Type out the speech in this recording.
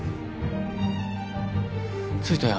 着いたよ